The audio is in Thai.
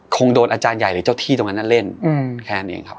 คงโดนอาจารย์ใหญ่หรือเจ้าที่ตรงนั้นเล่นแค่นั้นเองครับ